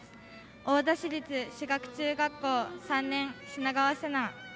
大田市立志学中学校３年品川聖奈。